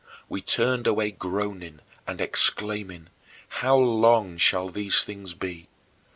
We turned away groaning and exclaiming, "How long shall these things be?"